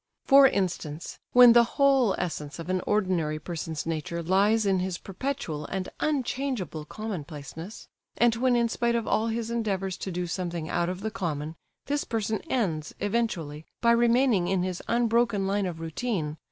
For instance, when the whole essence of an ordinary person's nature lies in his perpetual and unchangeable commonplaceness; and when in spite of all his endeavours to do something out of the common, this person ends, eventually, by remaining in his unbroken line of routine—.